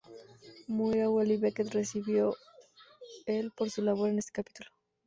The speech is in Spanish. Moira Walley-Beckett recibió el por su labor en este capítulo.